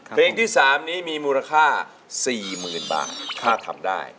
เพลงที่๓นี้มีมูลค่า๔๐๐๐บาทถ้าทำได้